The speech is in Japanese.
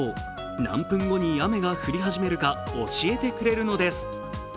何分後に雨が降り始めるか教えてくれるのです。